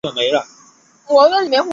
圣昂德雷德罗科龙格人口变化图示